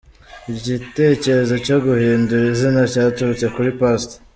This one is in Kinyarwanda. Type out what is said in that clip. Igitekerezo cyo guhindura izina cyaturutse kuri Past.